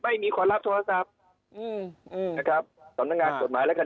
ไม่มีคนรับโทรศัพท์อืมอืมนะครับสำนักงานกฎหมายแล้วกัน